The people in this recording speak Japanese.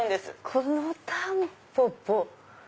このタンポポ。